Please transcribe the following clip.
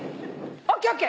ＯＫＯＫ！